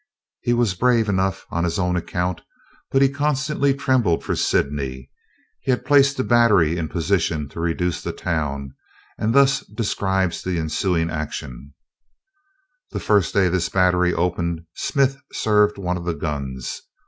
He was brave enough on his own account, but he constantly trembled for Sydney! He had placed a battery in position to reduce the town, and thus describes the ensuing action: "The first day this battery opened Smith served one of the guns.